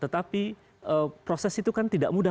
tetapi proses itu kan tidak mudah